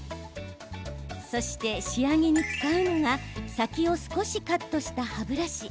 そして、仕上げに使うのが先を少しカットした歯ブラシ。